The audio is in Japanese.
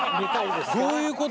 どういうこと？